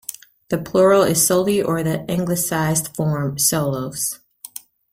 The plural is "soli" or the anglicised form "solos".